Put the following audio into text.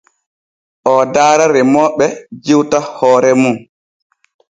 Oo darta remooɓe jewta hoore mum.